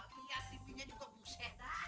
liat tvnya juga buset dah